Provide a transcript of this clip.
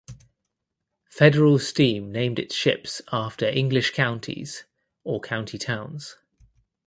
Federal Steam named its ships after English counties or county towns.